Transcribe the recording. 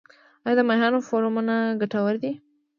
آیا د ماهیانو فارمونه ګټور دي؟